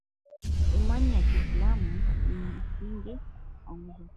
imani ya kiislamu ni msingi wa nguzo tano